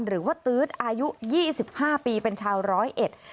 หรือว่าตื๊ดอายุ๒๕ปีเป็นชาวร้อยเอ็ด